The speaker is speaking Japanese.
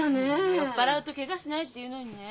「酔っ払うとケガしない」って言うのにねえ。